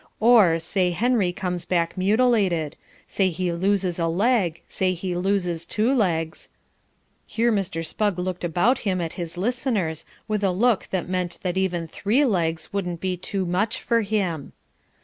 Or, say Henry comes back mutilated, say he loses a leg, say he loses two legs, " Here Mr. Spugg looked about him at his listeners, with a look that meant that even three legs wouldn't be too much for him.